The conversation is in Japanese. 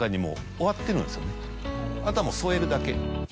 あとはもう添えるだけ。